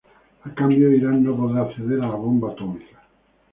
A cambio, Irán no podrá acceder a la bomba atómica.